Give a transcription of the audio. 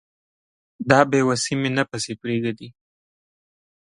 دا بې وسي مي نه پسې پرېږدي